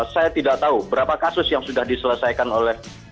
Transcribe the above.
saya tidak tahu berapa kasus yang sudah diselesaikan oleh